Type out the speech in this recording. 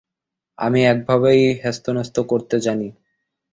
আমি একভাবেই হেস্তনেস্ত করতে জানি।